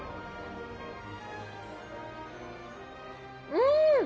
うん！